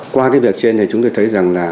qua việc trên chúng tôi thấy rằng